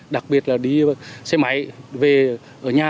đặc biệt là đi xe máy về ở nhà